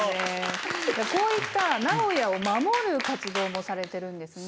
こういった名古屋を守る活動もされてるんですね。